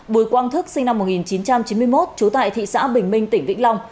bùi quang thức sinh năm một nghìn chín trăm chín mươi một trú tại thị xã bình minh tỉnh vĩnh long